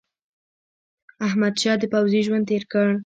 احمدشاه د پوځي ژوند تېر کړ.